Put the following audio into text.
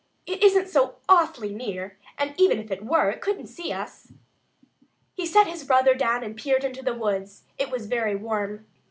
"It isn't so awfully near; and even if it were, it couldn't see us." He set his brother down and peered into the woods. It was very warm.